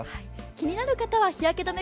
気になる方は日焼け止め